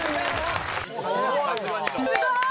すごい。